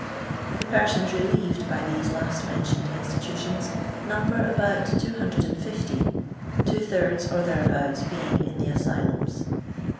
The persons relieved by these last mentioned institu tions number about 250, two thirds, or there abouts, being in the asylums.